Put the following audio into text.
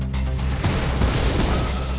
dia ada permisi minggu ini